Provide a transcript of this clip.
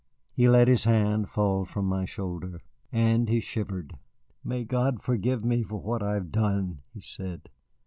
He let his hand fall from my shoulder, and he shivered. "May God forgive me for what I have done!" he said.